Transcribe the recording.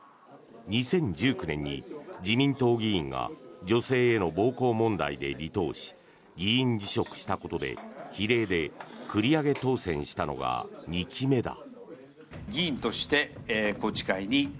２０１９年に自民党議員が女性への暴行問題で離党し議員辞職したことで、比例で繰り上げ当選したのが２期目だ。